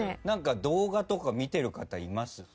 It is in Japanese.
なんか動画とか見てる方います？